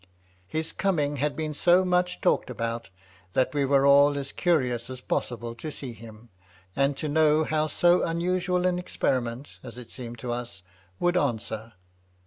His coming had been so much talked about that we were all as curious as possible to see him^ and to know how so unusual an experiment, as it seemed to us, would answer.